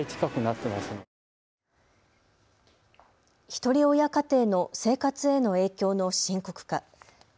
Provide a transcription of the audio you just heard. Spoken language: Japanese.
ひとり親家庭の生活への影響の深刻化。